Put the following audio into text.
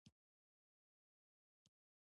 پېښور د ډېرو پښتنو کور ده.